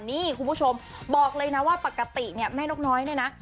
นี่คุณผู้ชมบอกเลยนะว่าปกติเนี่ยแม่นกน้อยเนี่ยนะ